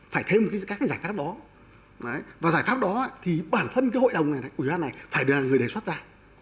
phải thêm các cái giải pháp đó và giải pháp đó thì bản thân cái hội đồng này ủy ban này phải được người đề xuất ra